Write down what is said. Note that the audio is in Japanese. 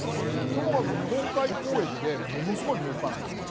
当時、日本海交易でものすごくもうかるんですよ。